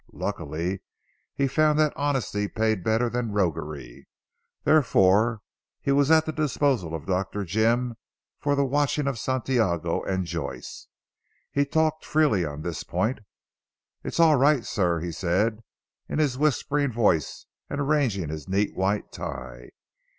Luckily he found that honesty paid better than roguery, therefore he was at the disposal of Dr. Jim, for the watching of Santiago and Joyce. He talked freely on this point. "It's all right sir," he said in his whispering voice and arranging his neat white tie.